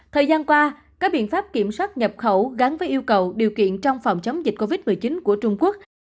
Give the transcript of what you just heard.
thời gian qua các biện pháp kiểm soát nhập khẩu gắn với yêu cầu điều kiện trong phòng chống dịch covid một mươi chín của trung quốc